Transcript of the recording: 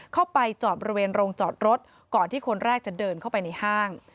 เข้าไปจอดบริเวณโรงจอดรถก่อนที่คนแรกจะเดินเข้าไปในห้าง